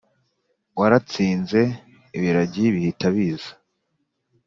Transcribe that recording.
waratsinze ibiragi bihita biza